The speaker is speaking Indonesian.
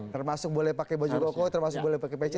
termasuk boleh pakai baju koko termasuk boleh pakai pecah